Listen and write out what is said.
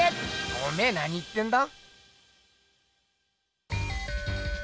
おめえなに言ってんだ？